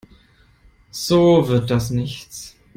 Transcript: So wird das nichts.